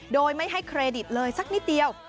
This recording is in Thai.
โดยไม่ให้เครดิตเลยสักนิดเดียว